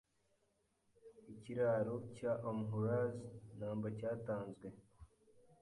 Ikiraro cya Omhuraz numbercyatanzwe)